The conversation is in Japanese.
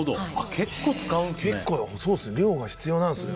結構そうですね量が必要なんですね。